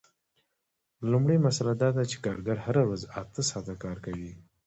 لومړۍ مسئله دا ده چې کارګر هره ورځ اته ساعته کار کوي